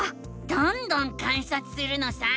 どんどん観察するのさ！